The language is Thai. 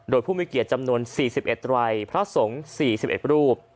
โดยผู้มีเกียรติจำนวน๔๑ไรพระสงฆ์๔๑รูป